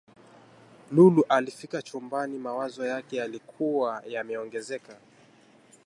Lulu alifika chumbani mawazo yake yalikuwa yameongezeka